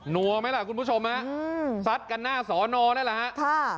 นวไหมล่ะคุณผู้ชมฮะซัดกันหน้าสอนว่าได้หรอฮะ